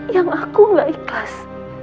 yang aku gak ikhlas